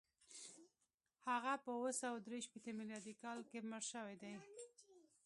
هغه په اووه سوه درې شپېته میلادي کال کې مړ شوی دی.